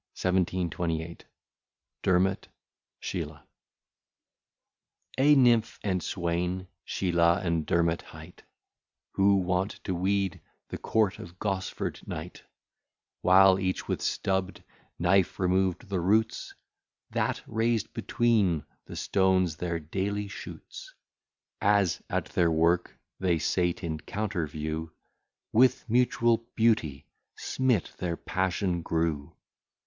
1728 DERMOT, SHEELAH A Nymph and swain, Sheelah and Dermot hight; Who wont to weed the court of Gosford knight; While each with stubbed knife removed the roots, That raised between the stones their daily shoots; As at their work they sate in counterview, With mutual beauty smit, their passion grew.